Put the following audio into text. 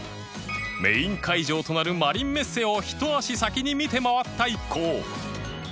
メイン会場となるマリンメッセをひと足先に見て回った一行